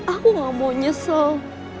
aku gak mau nyesel